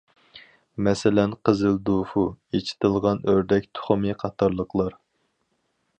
مەسىلەن: قىزىل دۇفۇ، ئېچىتىلغان ئۆردەك تۇخۇمى قاتارلىقلار.